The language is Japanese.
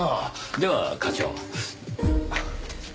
では課長。